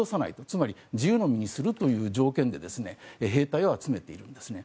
つまり自由の身にするという条件で兵隊を集めているんですね。